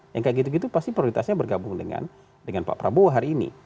yang kayak gitu gitu pasti prioritasnya bergabung dengan pak prabowo hari ini